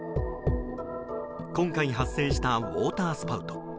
今回、発生したウォータースパウト。